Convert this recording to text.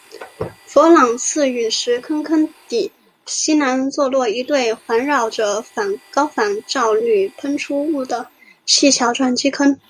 弗朗茨陨石坑坑底西南坐落了一对环绕着高反照率喷出物的细小撞击坑。